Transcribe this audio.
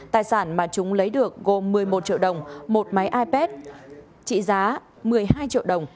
tài sản mà chúng lấy được gồm một mươi một triệu đồng một máy ipad trị giá một mươi hai triệu đồng